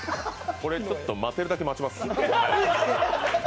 これちょっと待てるだけ待ちます。